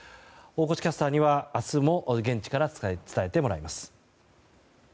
大越キャスターには明日も現地から伝えてもらいます。